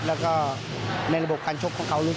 แล้วก็ในระบบการชกของเขา